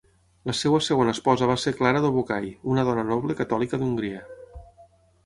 La seva segona esposa va ser Clara Dobokai, una dona noble catòlica d'Hongria.